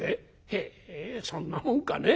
「へえそんなもんかね」。